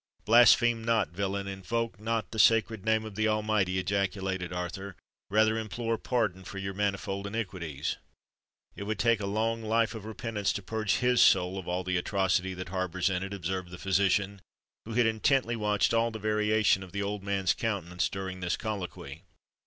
"Blaspheme not, villain!—invoke not the sacred name of the Almighty!" ejaculated Arthur. "Rather implore pardon for your manifold iniquities!" "It would take a long life of repentance to purge his soul of all the atrocity that harbours in it," observed the physician, who had intently watched all the variations of the old man's countenance during this colloquy.